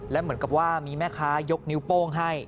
และเหมือนกับว่ามีแม่ค้ายกนิ้วโป้งให้